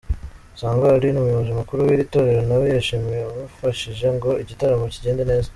Sangwa Aline; umuyobozi mukuru w'iri torero nawe yashimiye ababafashije ngo igitaramo kigende neza.